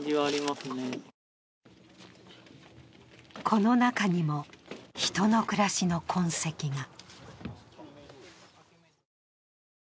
この中にも人の暮らしの痕跡が。